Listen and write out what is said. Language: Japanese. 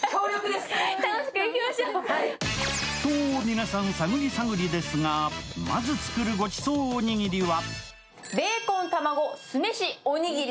皆さん探り探りですが、まず作るごちそうおにぎりは。